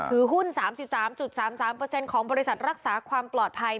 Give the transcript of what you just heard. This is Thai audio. ถือหุ้นสามสิบสามจุดสามสามเปอร์เซ็นต์ของบริษัทรักษาความปลอดภัย